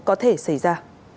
có thể xảy ra